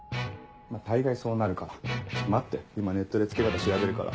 大概そうなるからちょっと待って今ネットで着け方調べるから。